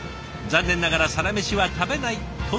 残念ながらサラメシは食べないとのこと。